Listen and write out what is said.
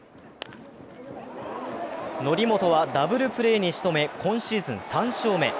則本はダブルプレーにしとめ、今シーズン３勝目。